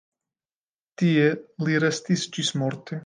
Tie li restis ĝismorte.